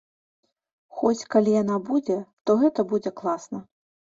Хоць, калі яна будзе, то гэта будзе класна.